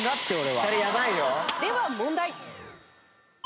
では問題。